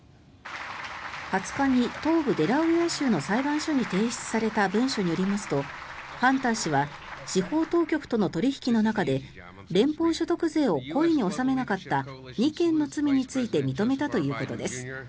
２０日に東部デラウェア州の裁判所に提出された文書によりますとハンター氏は司法当局との取引の中で連邦所得税を故意に納めなかった２件の罪について認めたということです。